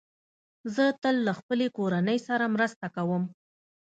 زه تل له خپلې کورنۍ سره مرسته کوم.